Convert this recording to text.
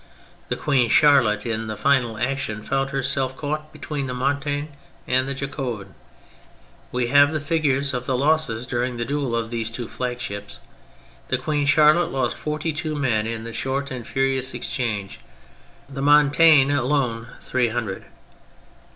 The Queen Charlotte, in the final action, found herself caught between the Montague and the Jacobin. We have the figures of the losses during the duel of these two flagships. The Queen Charlotte lost fort}? two men in the short and furious exchange, the Montague alone three hundred.